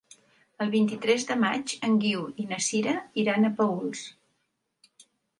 El vint-i-tres de maig en Guiu i na Sira iran a Paüls.